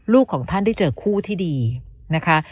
ของท่านได้เจอคู่ที่ดีนะคะ